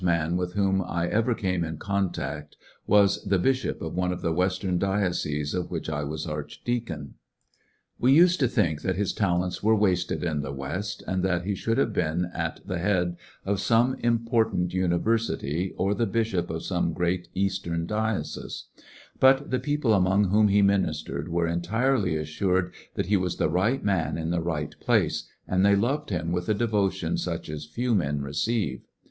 n with whom I ever came in contact was the bishop of one of the Western dioceses in which I was archdeacon. We nsed to think that his talents were wasted in the West, and that he should have been at the head of some important university or the bishop of some great Eastern diocese ; but the people among whom he ministered were entirely assured that he was the right man in the right place, and they loved him with a devotion such as few men receive.